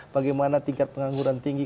bagaimana tingkat pengangguran tinggi